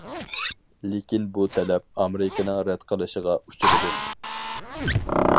لېكىن بۇ تەلەپ ئامېرىكىنىڭ رەت قىلىشىغا ئۇچرىدى.